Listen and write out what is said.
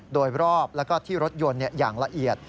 โดยรอบแล้วก็ที่รถยนต์อย่างละเอียด